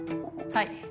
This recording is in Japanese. はい。